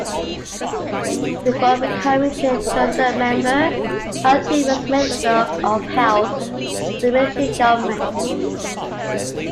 Before becoming a junta member, Matthei was Minister of Health of the military government.